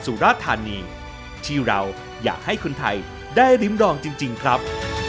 โปรดติดตามตอนต่อไป